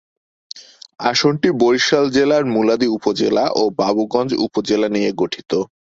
আসনটি বরিশাল জেলার মুলাদী উপজেলা ও বাবুগঞ্জ উপজেলা নিয়ে গঠিত।